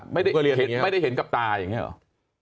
ไม่ได้เห็นกับตาอย่างนี้หรอ